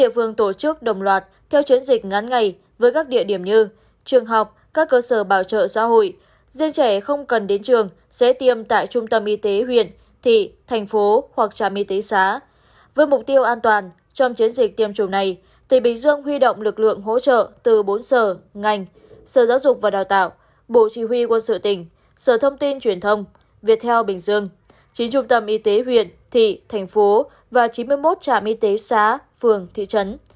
với mục tiêu an toàn trong chiến dịch tiêm chủng này tỉnh bình dương huy động lực lượng hỗ trợ từ bốn sở ngành sở giáo dục và đào tạo bộ chỉ huy quân sự tỉnh sở thông tin truyền thông việt theo bình dương chín trung tâm y tế huyện thị thành phố và chín mươi một trạm y tế xá phường thị trấn